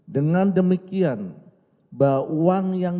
dengan demikian bahwa uang yang